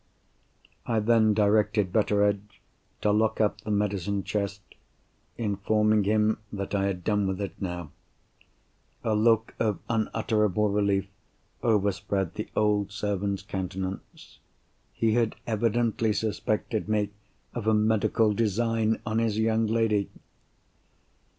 I then directed Betteredge to lock up the medicine chest; informing him that I had done with it now. A look of unutterable relief overspread the old servant's countenance. He had evidently suspected me of a medical design on his young lady!